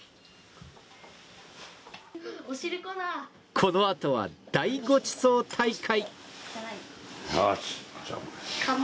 このあとは大ごちそう大会！